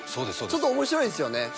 ちょっと面白いですよね